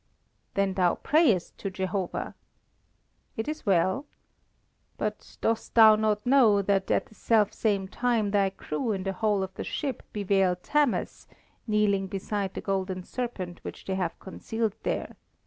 "Then thou prayest to Jehovah? It is well! But dost thou not know that at the self same time thy crew in the hold of the ship bewail Thammus, kneeling beside the golden serpent which they have concealed there.